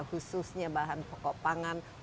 khususnya bahan pokok pangan